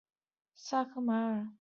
萨克马尔。